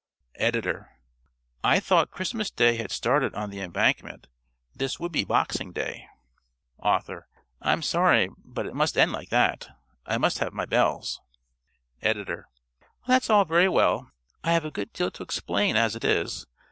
(~Editor.~ I thought Christmas Day had started on the Embankment. This would be Boxing Day. ~Author.~ I'm sorry, but it must end like that. I must have my bells. ~Editor.~ _That's all very well. I have a good deal to explain as it is.